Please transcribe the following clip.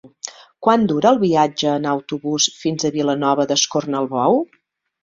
Quant dura el viatge en autobús fins a Vilanova d'Escornalbou?